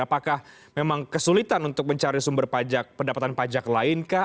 apakah memang kesulitan untuk mencari sumber pendapatan pajak lain kah